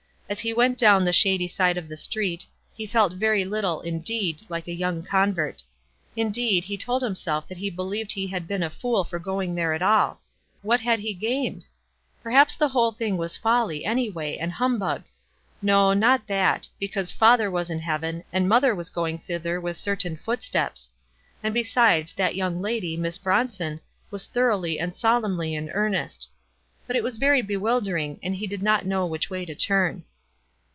As he went down the shady side of the street, he felt very little, indeed, like a young convert. Indeed, he told himself that he believed he had been a fool for going there at all . What had he gained ? Perhaps the whole thing was folly, anyway, and humbug. No, not that ; because father was in heaven, and mother was going thither with cer tain footsteps ; and, besides, that young lady, Miss Bronson, was thoroughly and solemnly in earnest. But it was very bewildering, and he did not know which wav to turn.